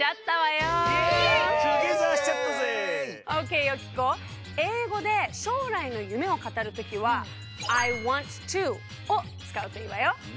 よき子英語で将来の夢をかたるときは「Ｉｗａｎｔｔｏ」をつかうといいわよ！